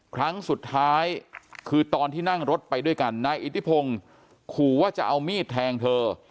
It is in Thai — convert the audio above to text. ครั้งสุดท้ายคือตอนที่นั่งรถไปด้วยกันนายอิทธิพงศ์ขู่ว่าจะเอามีดแทงเธอ